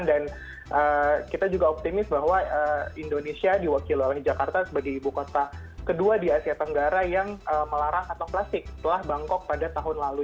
dan kita juga optimis bahwa indonesia diwakil oleh jakarta sebagai ibu kota kedua di asia tenggara yang melarang kantong plastik setelah bangkok pada tahun lalu